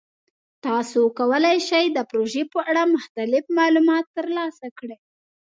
تاسو کولی شئ د پروژې په اړه مختلف معلومات ترلاسه کړئ.